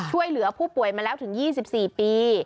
ช่วยเหลือผู้ป่วยมาแล้วถึง๒๔ปี